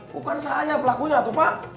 bukan saya pelakunya tuh pak